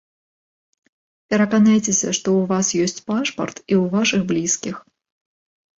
Пераканайцеся, што ў вас ёсць пашпарт і ў вашых блізкіх.